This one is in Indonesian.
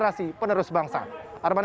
tak akan perlu berharga untuk itu